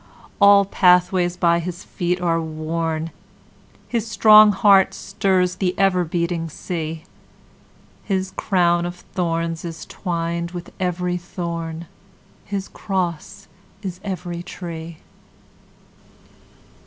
All pathways by his feet are worn, His strong heart stirs the ever beating sea, His crown of thorns is twined with every thorn, His cross is every tree.